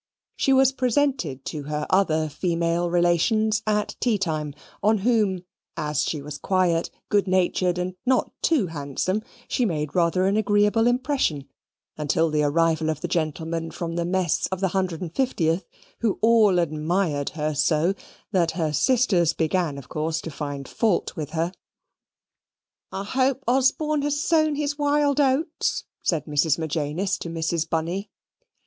She was presented to her other female relations at tea time, on whom, as she was quiet, good natured, and not too handsome, she made rather an agreeable impression until the arrival of the gentlemen from the mess of the 150th, who all admired her so, that her sisters began, of course, to find fault with her. "I hope Osborne has sown his wild oats," said Mrs. Magenis to Mrs. Bunny.